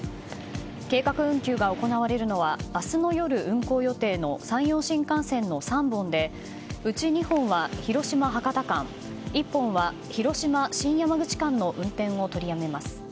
計画運休が行われるのは明日の夜、運行予定の山陽新幹線の３本でうち２本は広島博多間１本は広島新山口間の運転を取りやめます。